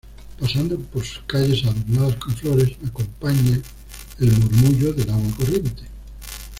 Paseando por sus calles, adornadas con flores, acompaña el murmullo del agua corriente.